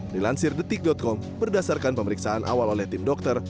dilansir detik com berdasarkan pemeriksaan awal oleh tim dokter